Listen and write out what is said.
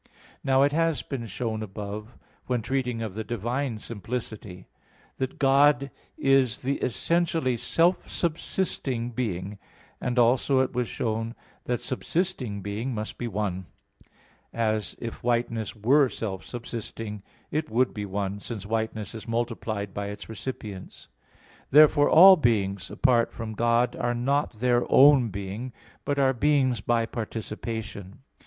Now it has been shown above (Q. 3, A. 4) when treating of the divine simplicity that God is the essentially self subsisting Being; and also it was shown (Q. 11, AA. 3, 4) that subsisting being must be one; as, if whiteness were self subsisting, it would be one, since whiteness is multiplied by its recipients. Therefore all beings apart from God are not their own being, but are beings by participation.